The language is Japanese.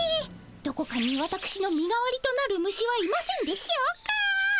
どこかにわたくしの身代わりとなる虫はいませんでしょうか？